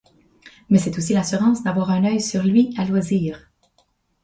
Mais c'est aussi l'assurance d'avoir un œil sur lui à loisir.